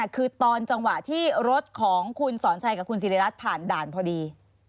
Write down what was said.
คือตอนจังหวะที่รถของคุณสอนชัยกับคุณสิริรัตน์ผ่านด่านพอดี